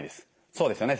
そうですね。